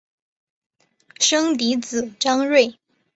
生嫡子张锐。